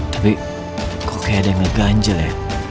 tapi kok kayak ada yang ngeganjel ya